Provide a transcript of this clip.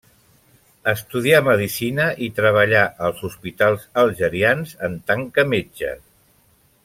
Estudià Medicina i treballà als hospitals algerians en tant que metge.